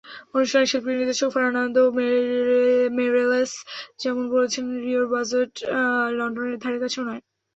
অনুষ্ঠানের শিল্পনির্দেশক Fernando Meirelles যেমন বলছেন, রিওর বাজেট লন্ডনের ধারেকাছেও নয়।